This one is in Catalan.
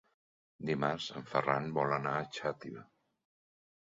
Dimarts en Ferran vol anar a Xàtiva.